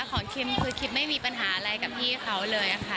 คิมคือคิมไม่มีปัญหาอะไรกับพี่เขาเลยค่ะ